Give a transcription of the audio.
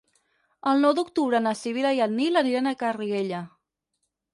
El nou d'octubre na Sibil·la i en Nil aniran a Garriguella.